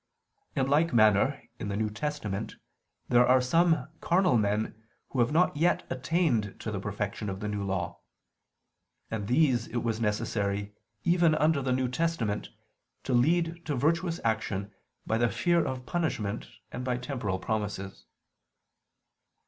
In like manner in the New Testament there are some carnal men who have not yet attained to the perfection of the New Law; and these it was necessary, even under the New Testament, to lead to virtuous action by the fear of punishment and by temporal promises.